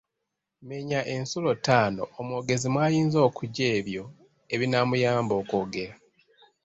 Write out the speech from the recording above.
Menya ensulo ttaano omwogezi mw’ayinza okuggya ebyo ebinaamuyamba okwogera.